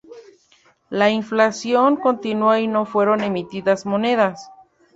La inflación continuó y no fueron emitidas monedas.